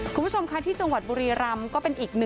คุณผู้ชมคะที่จังหวัดบุรีรัมพ์ก็เป็นอีก๑